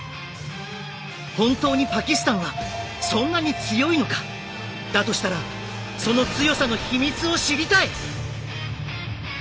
本当にパキスタンはそんなに強いのか⁉だとしたらその強さの秘密を知りたい！